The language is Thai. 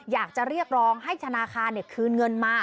อยากจะเรียกร้องให้ธนาคารคืนเงินมา